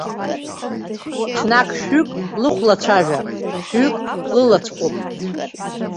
Ҽнак шәҩык лыхәлацәажәап, шәҩык лалацәҟәып.